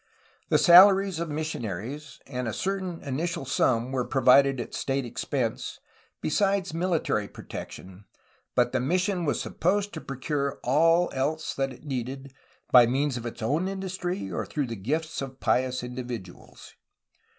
The salaries of missionaries and a certain initial sum were provided at state expense, besides military pro tection, but the mission was supposed to procure all else that it needed, by means of its own industry or through the gifts of pious individuals.